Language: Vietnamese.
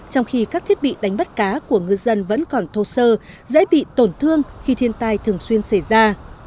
trong khi các thiết bị đánh bắt cá của ngư dân vẫn còn thô sơ dễ bị tổn thương khi thiên tai thường xuyên xảy ra